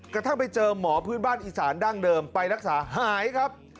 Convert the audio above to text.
กระทั่งไปเจอหมอพื้นบ้านอีสานดั้งเดิมไปรักษาหายครับ